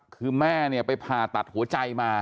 คือแม่เนี่ยไปผ่าตัดหัวใจมา